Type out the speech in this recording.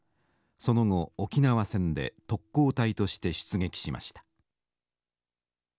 その後沖縄戦で特攻隊として出撃しました。